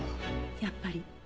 やっぱり。